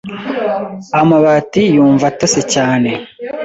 Amabati yumva atose cyane.